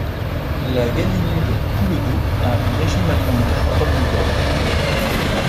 La Gallinule poule-d'eau a un régime alimentaire omnivore.